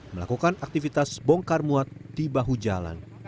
melakukan aktivitas bongkar muat di bahu jalan